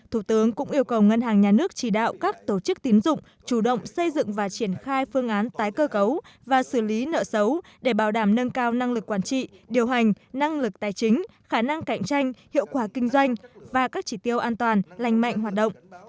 thủ tướng cũng yêu cầu ngân hàng nhà nước chỉ đạo các tổ chức tín dụng chủ động xây dựng và triển khai phương án tái cơ cấu và xử lý nợ xấu để bảo đảm nâng cao năng lực quản trị điều hành năng lực tài chính khả năng cạnh tranh hiệu quả kinh doanh và các chỉ tiêu an toàn lành mạnh hoạt động